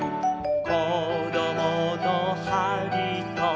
「こどものはりと」